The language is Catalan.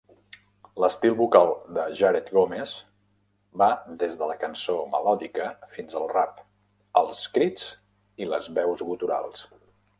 L"estil vocal de Jared Gomes va des de la cançó melòdica fins al rap, els crits i les veus guturals.